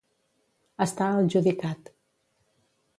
Estar al judicat.